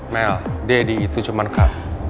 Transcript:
mel daddy itu cuma kamu